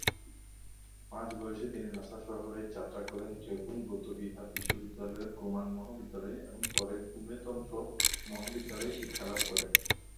পাঁচ বয়সে তিনি লাসা শহরে যাত্রা করে দ্রেপুং বৌদ্ধবিহার বিশ্ববিদ্যালয়ের গোমাং মহাবিদ্যালয়ে এবং পরে গ্যুমে তন্ত্র মহাবিদ্যালয়ে শিক্ষালাভ করেন।